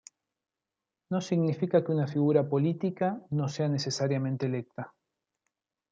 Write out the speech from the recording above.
No significa que una figura política no sea necesariamente electa.